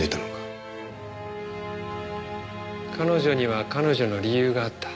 彼女には彼女の理由があった。